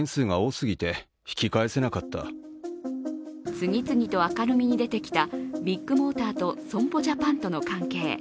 次々と明るみに出てきたビッグモーターと損保ジャパンとの関係。